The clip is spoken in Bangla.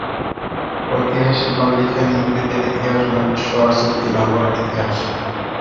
ঐতিহাসিকগণ লিখেন, ইহুদীদের ইতিহাস নৈরাশ্য, আর চুক্তি লঙ্ঘনের ইতিহাস।